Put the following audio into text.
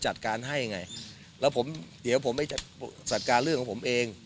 จัดการให้ไงแล้วผมเดี๋ยวผมไม่จะจัดการเรื่องของผมเอง